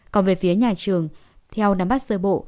còn về phía nhà trường theo nắm bắt sơ bộ